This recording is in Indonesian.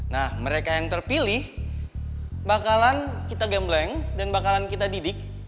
nah mereka yang terpilih bakalan kita gembleng dan bakalan kita didik